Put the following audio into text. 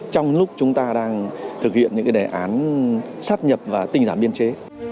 trong lúc chúng ta đang thực hiện những cái đề án sát nhập và tình giảm biên chế